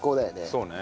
そうね。